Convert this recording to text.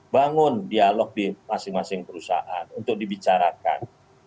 bangun dialog di masing masing perusahaan untuk dibicarakan